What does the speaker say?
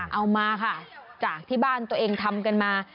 เอามาค่ะจากที่บ้านตัวเองทำกันมา